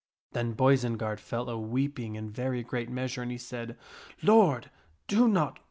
Then Boisenard fell a weeping in very great measure, and he said, " Lord, do not go."